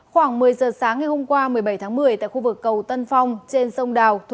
khoảng một mươi giờ sáng ngày hôm qua một mươi bảy tháng một mươi tại khu vực cầu tân phong trên sông đào